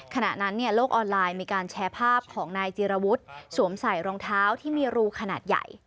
ขณะนั้นโลกออนไลน์มีการแชร์ภาพของนายจีรวุฒิสวมใส่รองเท้าที่มีรูขนาดใหญ่